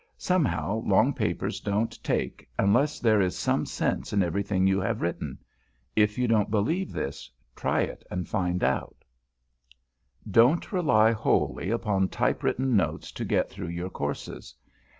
Somehow, long papers don't take, unless there is some sense in everything you have written. If you don't believe this, try it and find out. [Sidenote: PREDIGESTED INFORMATION] Don't rely wholly upon typewritten notes to get through your courses.